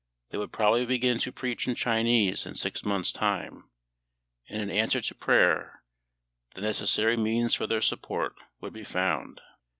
They would probably begin to preach in Chinese in six months time; and in answer to prayer the necessary means for their support would be found.